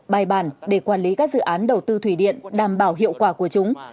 bài bản để quản lý các dự án đầu tư thủy điện đảm bảo hiệu quả của chúng